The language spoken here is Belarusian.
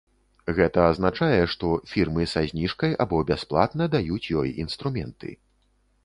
Гэта азначае, што фірмы са зніжкай або бясплатна даюць ёй інструменты.